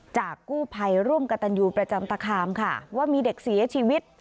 จากกู้ภัยร่วมกับตันยูประจำตคามค่ะว่ามีเด็กเสียชีวิต